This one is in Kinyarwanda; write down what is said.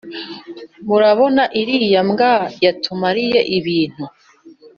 murabona iriya mbwa yatumariye ibintu!